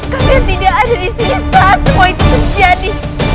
kami tidak ada disini saat semua itu terjadi